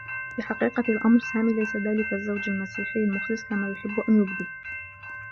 في حقيقة الأمر، سامي ليس ذلك الزّوج المسيحيّ المخلص كما يحبّ أن يبدي.